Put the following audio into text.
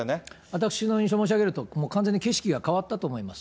私の印象申し上げると、もう完全に景色が変わったと思います。